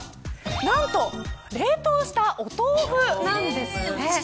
なんと、冷凍したお豆腐なんです。